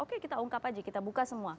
oke kita ungkap aja kita buka semua